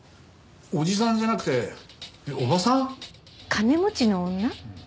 金持ちの女？